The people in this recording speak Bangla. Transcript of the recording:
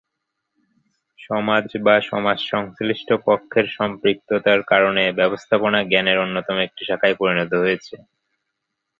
সমাজ বা সমাজ সংশ্লিষ্ট পক্ষের সম্পৃক্ততার কারনে 'ব্যবস্থাপনা' জ্ঞানের অন্যতম একটি শাখায় পরিণত হয়েছে।